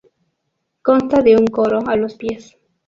Consta de un coro a los pies..